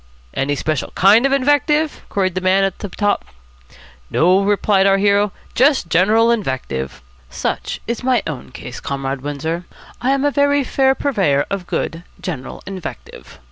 'Any special kind of invective?' queried the man up top. 'No,' replied our hero, 'just general invective.' Such is my own case, Comrade Windsor. I am a very fair purveyor of good, general invective.